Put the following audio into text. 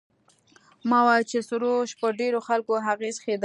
ما وویل چې سروش پر ډېرو خلکو اغېز ښندلی.